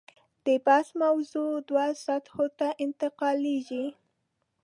د بحث موضوع دوو سطحو ته انتقالېږي.